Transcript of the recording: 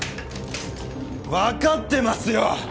分かってますよ！